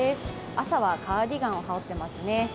朝はカーディガンを羽織ってますね。